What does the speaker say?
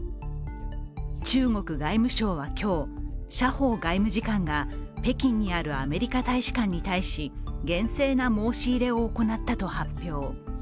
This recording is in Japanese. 中国外務省は今日、謝鋒外務次官が北京にあるアメリカ大使館に対し、厳正な申し入れを行ったと発表。